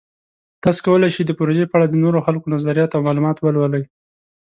تاسو کولی شئ د پروژې په اړه د نورو خلکو نظریات او معلومات ولولئ.